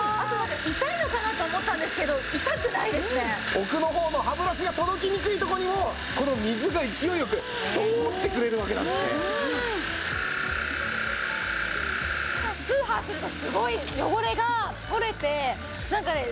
奥の方の歯ブラシが届きにくいとこにもこの水が勢い良く通ってくれるわけなんですね。これ絶対やらなきゃ！